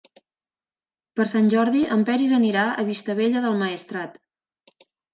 Per Sant Jordi en Peris anirà a Vistabella del Maestrat.